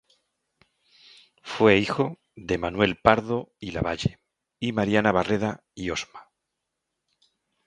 Fue hijo de Manuel Pardo y Lavalle y Mariana Barreda y Osma.